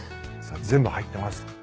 全部入ってます。